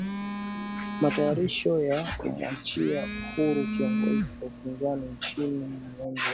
matayarisho ya kumwachia huru kiongozi wa upinzani nchini mynamar sang su qui